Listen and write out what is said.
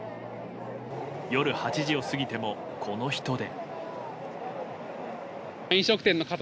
夜８時を過ぎてもこの人出。